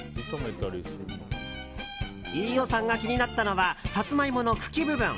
飯尾さんが気になったのはサツマイモの茎部分。